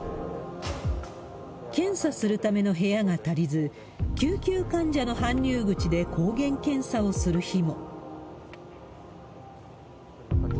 検査するための部屋が足りず、救急患者の搬入口で抗原検査をする日も。